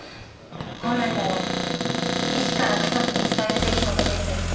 本来なら医師から家族に伝えるべき事です。